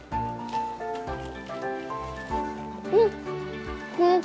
うん！